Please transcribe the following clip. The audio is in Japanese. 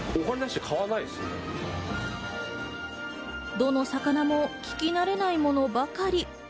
どの魚も聞き慣れないものばかり。